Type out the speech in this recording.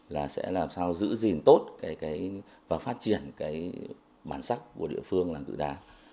là sẽ làm sao giữ gìn tốt và phát triển cái bản sắc của địa phương làng cự đà